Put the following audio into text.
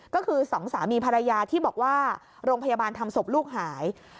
ก็คือสองสามีภรรยาที่บอกว่าโรงพยาบาลทำศพลูกหาย